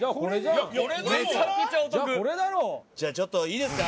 じゃあちょっといいですか？